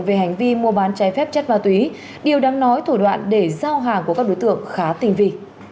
về hành vi mua bán trái phép chất ma túy điều đáng nói thủ đoạn để giao hàng của các đối tượng khá tình vị